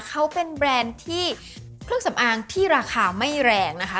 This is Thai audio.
เขาเป็นแบรนด์ที่เครื่องสำอางที่ราคาไม่แรงนะคะ